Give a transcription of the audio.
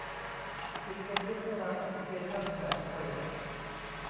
ชุมชนเพื่อพัฒนาแอพลิเคชั่นแบบเปิด